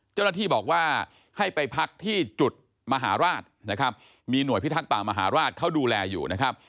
เจ้าหน้าที่บอกว่าให้ไปพักที่จุดมหาราชนะครับมีหน่วยพิทักษ์ป่ามหาราชเขาดูแลอยู่นะครับ